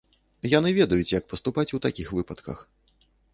Яны ведаюць, як паступаць у такіх выпадках.